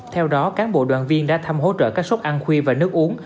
theo đó cán bộ đoàn viên đã thăm hỗ trợ các suất ăn khuy và nước uống